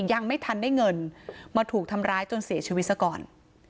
ยังไม่ทันได้เงินมาถูกทำร้ายจนเสียชีวิตซะก่อน